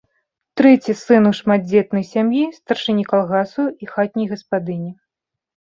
Трэці сын у шматдзетнай сям'і старшыні калгасу і хатняй гаспадыні.